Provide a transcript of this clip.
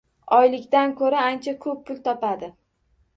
Oylikdan koʻra ancha koʻp pul topadi